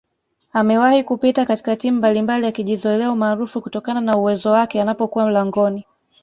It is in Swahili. amewahi kupita katika timu mbalimbali akijizoelea umaarufu kutokana na uwezowake anapokuwa langoni